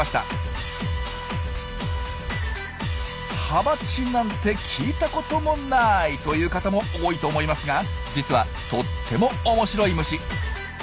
ハバチなんて聞いたこともないという方も多いと思いますが実はとっても面白い虫。